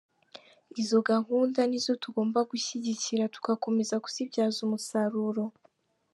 Izo gahunda nizo tugomba gushyigikira tugakomeza kuzibyaza umusaruro.